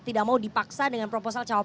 tidak mau dipaksa dengan proposal cawapres